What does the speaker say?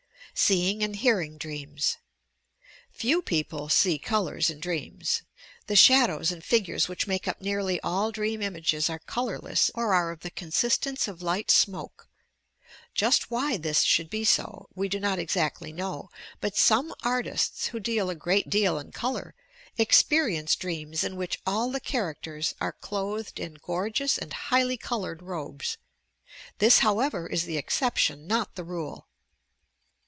SEEIXO AND HEARINQ m DBEAMS Pew people see colours in dreams. The shadows and figures which make up nearly all dream images are colourless or are of the consistence of light smoke. Just uky this should be so we do not exactly know; but some artists, who deal a great deal in colour, experience dreams in which all the characters are clothed in gorgeous and highly coloured robes. This, however, is the exception, not the rule.